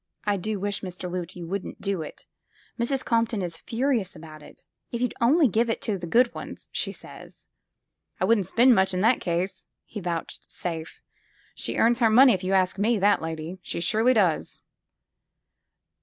"I do wish, Mr. Loote, you wouldn't do it. Mrs. Compton is furious about it. If you'd only give them to the good ones, she says. '' I wouldn't spend much in that case," he vouch safed. She earns her money, if you ask me, that lady. She surely does